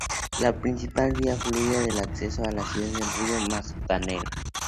La principal vía fluvial de acceso a la ciudad es el Río Magdalena.